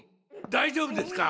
大丈夫ですか！？